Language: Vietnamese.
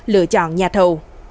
lựa chọn nhà thầu